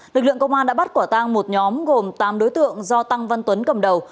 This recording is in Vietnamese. lực lượng công an đã bắt quả tang một nhóm gồm tám đối tượng do tăng văn tuấn cầm đầu